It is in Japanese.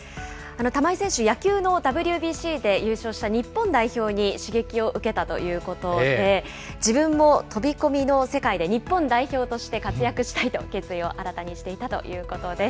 玉井選手、野球のＷＢＣで優勝した日本代表に刺激を受けたということで、自分も飛び込みの世界で日本代表として活躍したいと決意を新たにしていたということです。